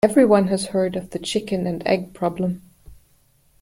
Everyone has heard of the chicken and egg problem.